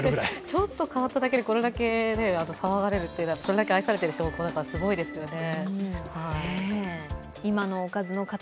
ちょっと変わっただけでこれだけ騒がれるというのはそれだけ愛されてる証拠だからすごいですよね。